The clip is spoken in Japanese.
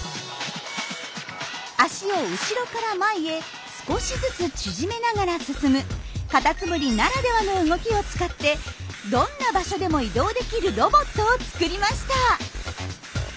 足を後ろから前へ少しずつ縮めながら進むカタツムリならではの動きを使ってどんな場所でも移動できるロボットを作りました。